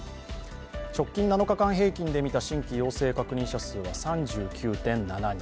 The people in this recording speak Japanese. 直近７日間平均で見た新規陽性確認者数は３９．７人。